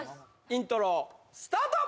イントロスタート